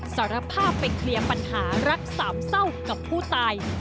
สารภาพไปเคลียร์ปัญหารักสามเศร้ากับผู้ตาย